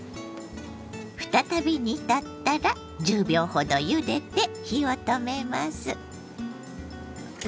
再び煮立ったら１０秒ほどゆでて火を止めます。